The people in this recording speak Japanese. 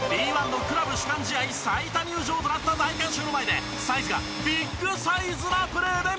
Ｂ１のクラブ主管試合最多入場となった大観衆の前でサイズがビッグサイズなプレーで魅せました！